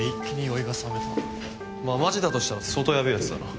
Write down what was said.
まあマジだとしたら相当ヤベえやつだな。